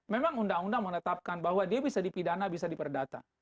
memang undang undang menetapkan bahwa dia bisa dipidana bisa diperdata